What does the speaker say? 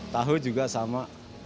tahu juga sama